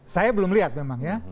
saya belum lihat memang ya